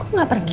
kok nggak pergi